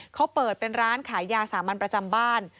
เขาเปิดเป็นร้านขายยาสามัญประจำบ้าน